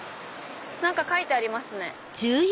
何か書いてありますね。